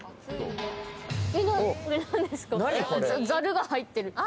ザルが入ってる。